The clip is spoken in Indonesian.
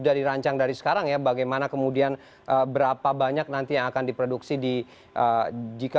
sudah dirancang dari sekarang ya bagaimana kemudian berapa banyak nanti yang akan diproduksi di jika